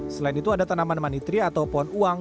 selain itu ada tanaman manitri atau pohon uang